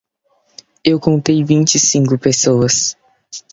Eu contei vinte e cinco pessoas.